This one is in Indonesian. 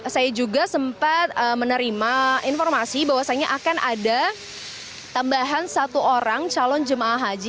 saya juga sempat menerima informasi bahwasannya akan ada tambahan satu orang calon jemaah haji